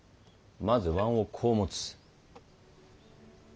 まず椀をこう持つ。